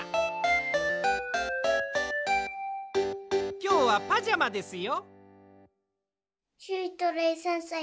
きょうはパジャマですよ。